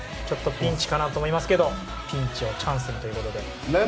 ちょっとピンチかなと思いますがピンチをチャンスにということで。